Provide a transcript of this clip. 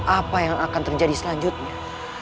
apa yang akan terjadi selanjutnya